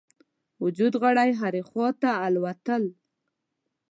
وجود غړي هري خواته الوتل.